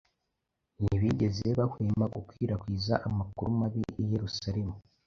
ntibigeze bahwema gukwirakwiza amakuru mabi i Yerusalemu